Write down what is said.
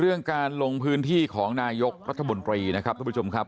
เรื่องการลงพื้นที่ของนายกรัฐมนตรีนะครับทุกผู้ชมครับ